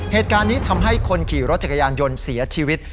เหตุการณ์นี้ทำให้คนขี่รถจักรยานยนต์เสียชีวิต